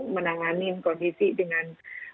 menangani kondisi dengan